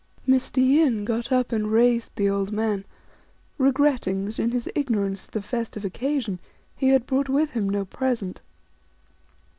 Mr. Yin got up and raised the old man, regretting that, in his ignorance of the festive occasion, he had brought with him no present.